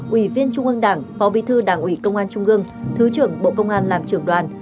ủy viên trung ương đảng phó bí thư đảng ủy công an trung ương thứ trưởng bộ công an làm trưởng đoàn